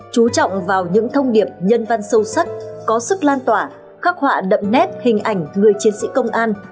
chú trọng vào những thông điệp nhân văn sâu sắc có sức lan tỏa khắc họa đậm nét hình ảnh người chiến sĩ công an